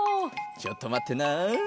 ちょっとまってな。